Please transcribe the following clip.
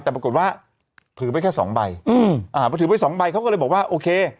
แต่ปรากฏว่าถือไว้แค่๒ใบเขาก็เลยบอกว่าโอเค